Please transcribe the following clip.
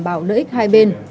bảo lợi ích hai bên